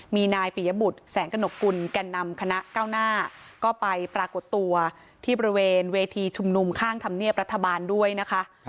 มีนายปิยบุตรแสงกระหนกกุลแก่นำคณะเก้าหน้าก็ไปปรากฏตัวที่บริเวณเวทีชุมนุมข้างธรรมเนียบรัฐบาลด้วยนะคะ